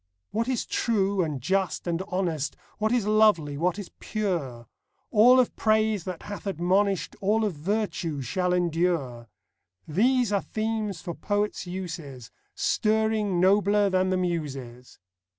What is true and just and honest, What is lovely, what is pure, — All of praise that hath admonish'd, All of virtue, shall endure, — These are themes for poets' uses, Stirring nobler than the Muses.